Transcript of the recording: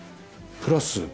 プラス